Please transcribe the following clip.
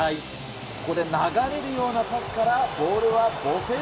ここで流れるようなパスから、ボールは。